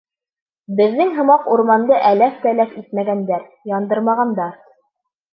Беҙҙең һымаҡ урманды әләф-тәләф итмәгәндәр, яндырмағандар.